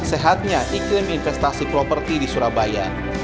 sehatnya iklim investasi properti di surabaya